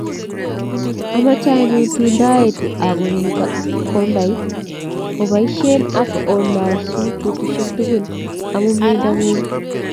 Amache anyun tun ndoetu akonin kondit, oboisieun ak olosun betusiek tugul amu mieindongung